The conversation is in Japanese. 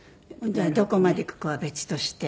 どこまでいくかは別として。